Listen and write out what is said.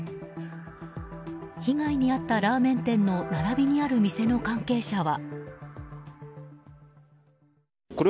被害に遭ったラーメン店の並びにある店の関係者は。